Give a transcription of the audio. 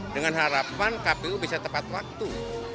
dengan harapan kpu bisa tepat waktu